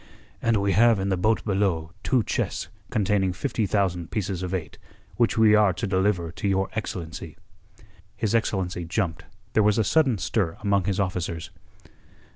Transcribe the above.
"And we have in the boat below two chests containing fifty thousand pieces of eight, which we are to deliver to your excellency." His excellency jumped; there was a sudden stir among his officers.